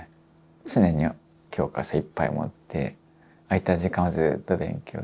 常に教科書いっぱい持って空いた時間はずっと勉強し。